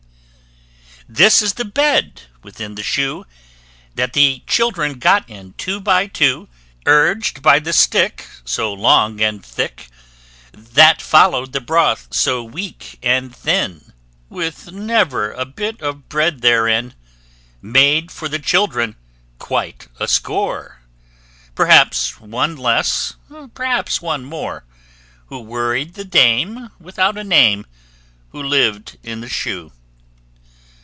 This is the bed within the shoe, That the children got in, two by two, Urged by the stick so long and thick, That followed the broth so weak and thin, With never a bit of bread therein, Made for the children, quite a score Perhaps one less, perhaps one more Who worried the dame without a name, WHO LIVED IN THE SHOE.